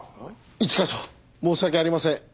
一課長申し訳ありません。